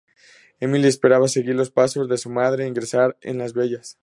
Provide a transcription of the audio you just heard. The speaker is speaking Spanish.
Emily espera seguir los pasos de su madre e ingresar en las Bellas.